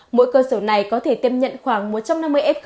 mỗi cơ sở này có thể tiếp nhận khoảng một trăm năm mươi f